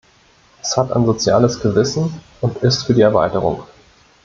Es hat ein soziales Gewissen und ist für die Erweiterung.